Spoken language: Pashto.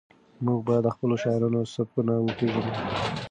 موږ باید د خپلو شاعرانو سبکونه وپېژنو.